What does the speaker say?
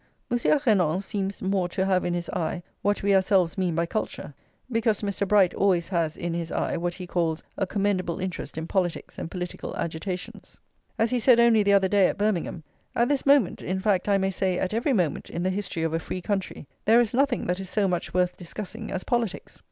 Monsieur Renan seems more to have in his eye what we ourselves mean by culture; [xxviii] because Mr. Bright always has in his eye what he calls "a commendable interest" in politics and political agitations. As he said only the other day at Birmingham: "At this moment, in fact, I may say at every moment in the history of a free country, there is nothing that is so much worth discussing as politics."